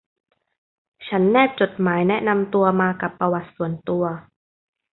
ฉันแนบจดหมายแนะนำตัวมากับปะวัติส่วนตัว